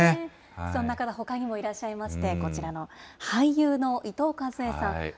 そんな方、ほかにもいらっしゃいまして、こちらの俳優の伊藤かずえさん。